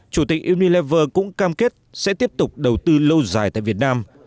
chủ tịch unilever cũng cam kết sẽ tiếp tục đầu tư lâu dài tại việt nam